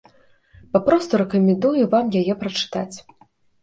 Папросту рэкамендую вам яе прачытаць.